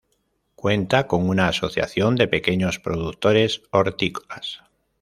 Cuenta con una asociación de pequeños productores hortícolas.